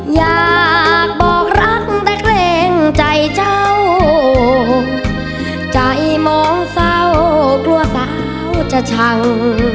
อยากบอกรักแต่เกรงใจเจ้าใจมองเศร้ากลัวสาวจะชัง